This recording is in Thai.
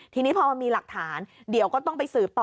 ทีนี้พอมันมีหลักฐานเดี๋ยวก็ต้องไปสืบต่อ